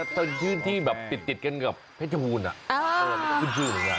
แต่ชื่อที่แบบติดกันกับพระเจ้าหูลน่ะ